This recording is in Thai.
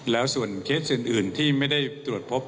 แล้วส่วนเคสอื่นที่ไม่ได้ตรวจพบ